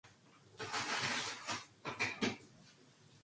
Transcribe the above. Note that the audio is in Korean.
뒤미처 눈이 둥그렇게 큰 첫째의 눈방울이 뚜렷이 떠올랐다.